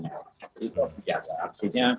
jadi itu tidak berarti